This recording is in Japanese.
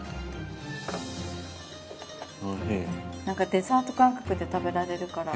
デザート感覚で食べられるから。